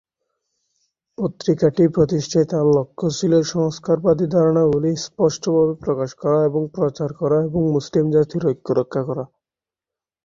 পত্রিকাটি প্রতিষ্ঠায় তার লক্ষ্য ছিল সংস্কারবাদী ধারণাগুলি স্পষ্টভাবে প্রকাশ করা এবং প্রচার করা এবং মুসলিম জাতির ঐক্য রক্ষা করা।